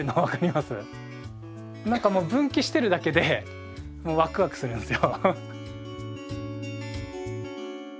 何かもう分岐してるだけでもうワクワクするんですよ。